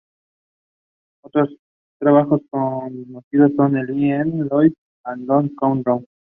Otros trabajos conocidos son "I'm In Love" and "Love Come Down.